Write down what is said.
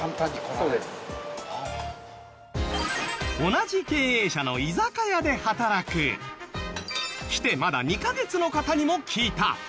同じ経営者の居酒屋で働く来てまだ２カ月の方にも聞いた。